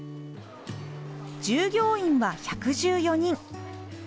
従業員は１１４人。